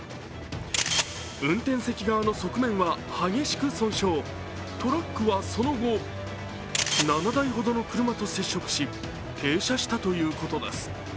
運転席側の側面は激しく損傷トラックはその後７台ほどの車と接触し停車したということです。